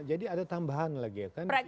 jadi ada tambahan lagi